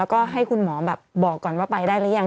แล้วก็ให้คุณหมอแบบบอกก่อนว่าไปได้หรือยัง